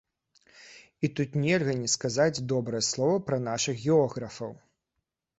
І тут нельга не сказаць добрае слова пра нашых географаў.